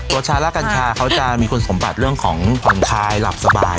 ตัวชารากัญชาเขามีคนสมบัติเรื่องของขนครายรับสบาย